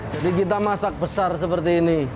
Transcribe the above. jadi kita masak besar seperti ini